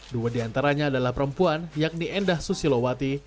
dua diantaranya adalah perempuan yakni endah susilowati